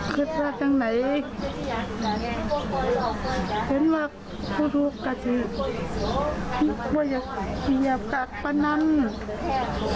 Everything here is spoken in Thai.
คือถ้าจังไหนเพิ่งว่าผู้โทษก็คือว่าอย่างเกลียบกักปะนั้น